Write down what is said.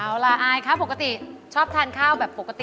เอาล่ะอายครับปกติชอบทานข้าวแบบปกติ